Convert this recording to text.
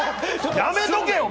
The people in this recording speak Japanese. やめとけよ！